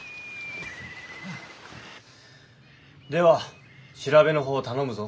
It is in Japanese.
では調べのほう頼むぞ。